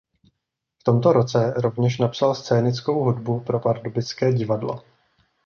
V tomto roce rovněž napsal scénickou hudbu pro pardubické divadlo.